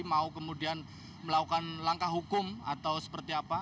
mau kemudian melakukan langkah hukum atau seperti apa